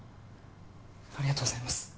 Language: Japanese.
ありがとうございます。